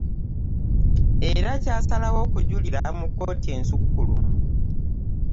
Era kyasalawo okujulira mu kkooti ensukkulumu